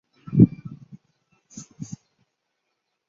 钝叶拉拉藤为茜草科拉拉藤属下的一个变种。